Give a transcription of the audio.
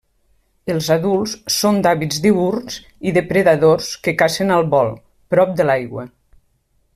Els adults són d'hàbits diürns i depredadors que cacen al vol, prop de l'aigua.